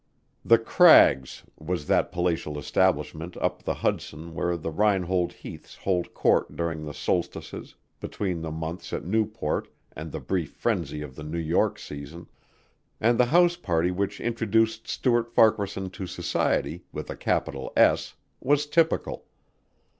"The Crags" was that palatial establishment up the Hudson where the Reinold Heaths hold court during the solstices between the months at Newport and the brief frenzy of the New York season, and the house party which introduced Stuart Farquaharson to Society with a capital S was typical.